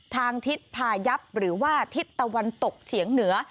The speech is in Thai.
ทางทิศพายับหรือว่าทิศตะวันตกเฉียงเหนือ